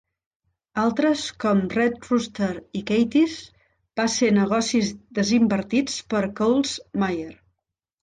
Altres, com Red Rooster i Katies, va ser negocis desinvertits per Coles Myer.